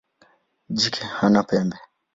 Jike hana pembe.